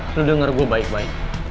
lu denger gue baik baik